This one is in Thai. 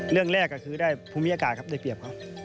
เรื่องแรกก็คือได้ภูมิอากาศครับได้เปรียบเขา